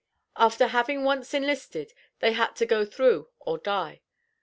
After having once enlisted, "they had to go through or die."